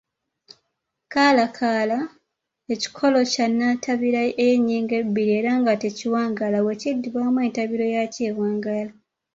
kalaakala:Ekikolo kya nnantabira ey’ennyingo ebbiri era nga tekiwangaala, bwe kiddibwamu entabiro yaakyo ewangaala.